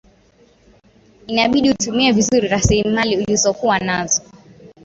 inabidi utumie vizuri rasilimali ulizokuwa nazo